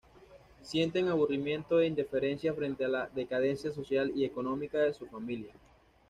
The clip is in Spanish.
Sienten aburrimiento e indiferencia frente a la decadencia social y económica de su familia.